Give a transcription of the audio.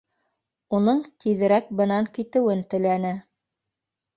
Уның тиҙерәк бынан китеүен теләне